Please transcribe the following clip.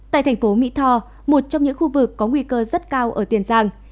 tại thành phố mỹ tho một trong những khu vực có nguy cơ rất cao ở tiền giang